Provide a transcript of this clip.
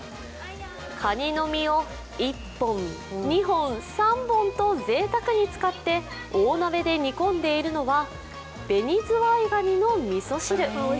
カニの身を１本、２本、３本とぜいたくに使って大鍋で煮込んでいるのは紅ズワイガニのみそ汁。